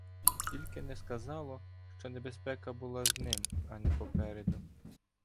Тільки не сказало, що небезпека була з ним, а не попереду.